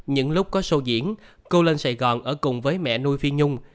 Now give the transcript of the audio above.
những lúc có sâu diễn cô lên sài gòn ở cùng với mẹ nuôi phi nhung